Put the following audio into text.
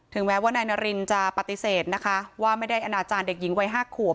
แม้ว่านายนารินจะปฏิเสธนะคะว่าไม่ได้อนาจารย์เด็กหญิงวัย๕ขวบ